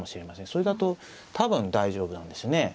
それだと多分大丈夫なんですね。